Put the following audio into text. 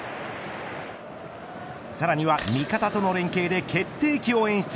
さらには味方との連係で決定機を演出。